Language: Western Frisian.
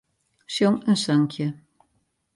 Sjong in sankje.